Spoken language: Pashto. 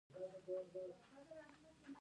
ایا تور چای څښئ که شین؟